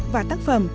và tác phẩm